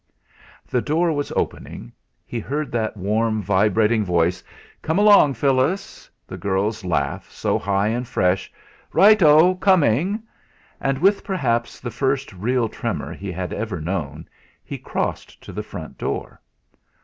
The door was opening; he heard that warm vibrating voice: "Come along, Phyllis!" the girl's laugh so high and fresh: "Right o! Coming!" And with, perhaps, the first real tremor he had ever known, he crossed to the front door.